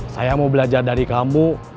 saya mau belajar dari kamu